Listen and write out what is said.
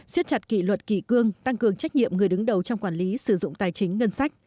xiết chặt kỷ luật kỳ cương tăng cường trách nhiệm người đứng đầu trong quản lý sử dụng tài chính ngân sách